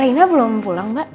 reina belum pulang gak